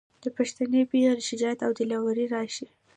د پښتنې پېغلې شجاعت او دلاوري راښايي.